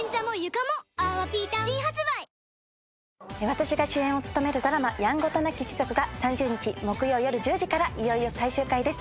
私が主演を務めるドラマ『やんごとなき一族』が３０日木曜夜１０時からいよいよ最終回です。